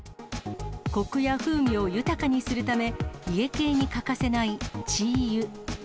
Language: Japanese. こくや風味を豊かにするため、家系に欠かせないチーユ。